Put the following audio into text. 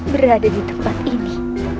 berada di tempat ini